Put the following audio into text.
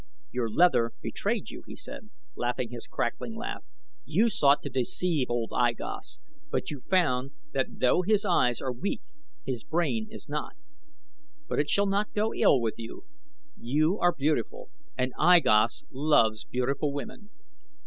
"Your leather betrayed you," he said, laughing his cackling laugh. "You sought to deceive old I Gos, but you found that though his eyes are weak his brain is not. But it shall not go ill with you. You are beautiful and I Gos loves beautiful women.